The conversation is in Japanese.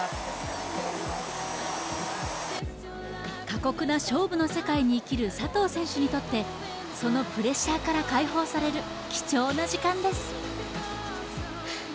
過酷な勝負の世界に生きる佐藤選手にとってそのプレッシャーから解放される貴重な時間です。